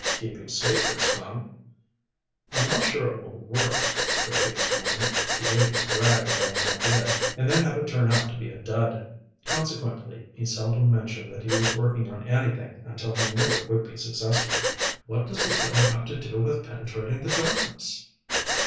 "Keeping secrets, huh?" "I'm not sure it will work," Rick explained. He hated to brag about an idea and then have it turn out to be a dud. Consequently, he seldom mentioned that he was working on anything until he knew it would be successful. "What does the film have to do with penetrating the darkness?"